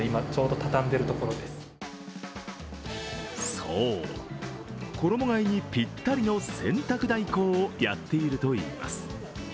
そう、衣がえにピッタリの洗濯代行をやっているといいます。